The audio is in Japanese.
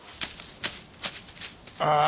ああ。